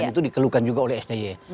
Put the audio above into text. itu dikeluhkan juga oleh sti